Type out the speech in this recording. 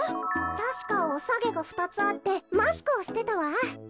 たしかおさげがふたつあってマスクをしてたわ。